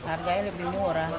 harganya lebih murah